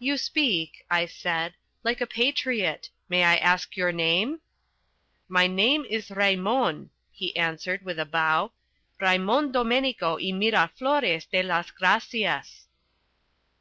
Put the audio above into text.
"You speak," I said, "like a patriot. May I ask your name?" "My name is Raymon," he answered, with a bow, "Raymon Domenico y Miraflores de las Gracias."